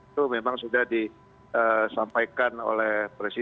itu memang sudah disampaikan oleh kedai kopi